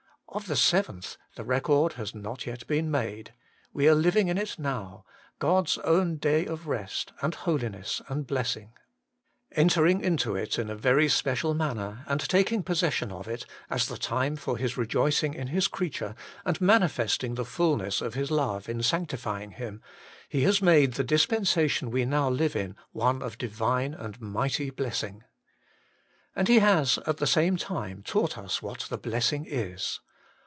Of the seventh the record has not yet been made; we are living in it now, God's own day of rest and holiness and blessing. Entering into it in a very special manner, and taking possession of it, as the time for His rejoicing in His creature, and manifesting the fulness of His love in sancti fying him, He has made the dispensation we now live in one of Divine and mighty blessing. And He has at the same time taught us what the blessing is.